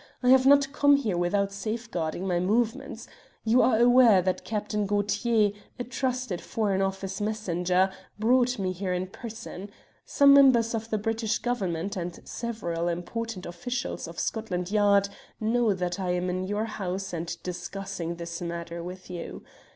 I have not come here without safeguarding my movements. You are aware that Captain Gaultier, a trusted Foreign Office messenger, brought me here in person. Some members of the British Government, and several important officials of Scotland Yard know that I am in your house and discussing this matter with you.